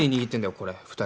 これ２人で。